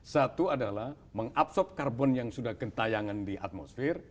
satu adalah mengabsorb karbon yang sudah kentayangan di atmosfer